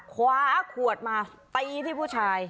ขวาขวดมาตีที่ผู้ชาย